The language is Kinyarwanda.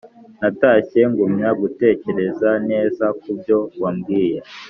natashye ngumya gutekereza neza kubyo wabwiye